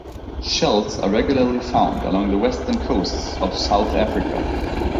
Shells are regularly found along the western coasts of South Africa.